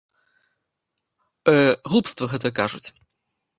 Э, глупства гэта кажуць!